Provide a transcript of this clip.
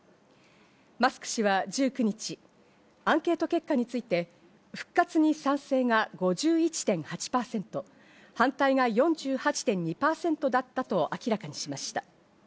マスク氏は１９日、アンケート結果について復活に賛成が５１．８％、反対が４８．２％だったと明らかにしました。